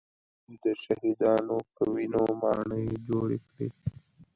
دوی د شهیدانو په وینو ماڼۍ جوړې کړې